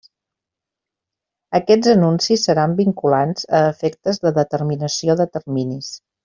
Aquests anuncis seran vinculants a efectes de determinació de terminis.